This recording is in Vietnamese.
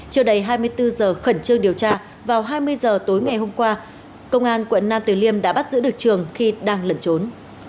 chưa đầy hai mươi bốn giờ khẩn trương điều tra vào hai mươi giờ tối ngày hôm qua công an quận nam từ liêm đã bắt giữ được trường khi đang lẩn trốn